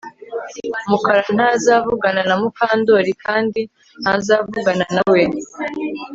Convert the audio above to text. Mukara ntazavugana na Mukandoli kandi ntazavugana nawe